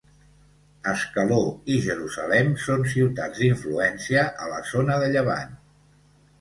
Ascaló i Jerusalem són ciutats d'influència a la zona de Llevant.